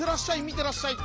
みてらっしゃい。